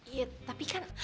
ya tapi kan